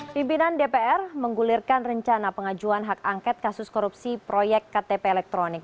pimpinan dpr menggulirkan rencana pengajuan hak angket kasus korupsi proyek ktp elektronik